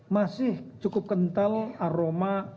masih cukup kental aroma